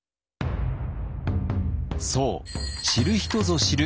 そう知る人ぞ知る